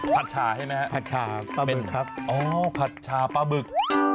ผัดชาให้ไหมครับเป็นอ๋อผัดชาปลาบึก